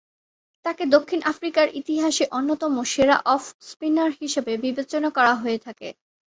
তাকে দক্ষিণ আফ্রিকার ইতিহাসে অন্যতম ‘সেরা অফ স্পিনার’ হিসেবে বিবেচনা করা হয়ে থাকে।